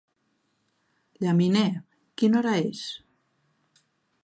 Llaminer, quina hora és?